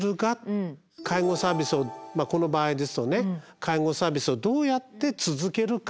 介護サービスをこの場合ですとね介護サービスをどうやって続けるか。